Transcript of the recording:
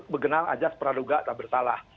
mengenal aja seorang peraduga atau bersalah